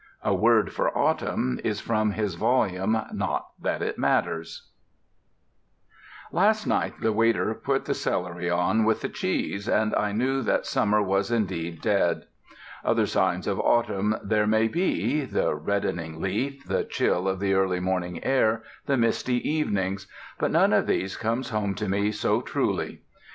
"A Word for Autumn" is from his volume Not That It Matters. Last night the waiter put the celery on with the cheese, and I knew that summer was indeed dead. Other signs of autumn there may be the reddening leaf, the chill in the early morning air, the misty evenings but none of these comes home to me so truly.